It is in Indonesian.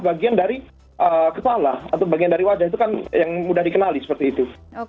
bagian dari kepala atau bagian dari wajah itu kan yang mudah dikenali seperti itu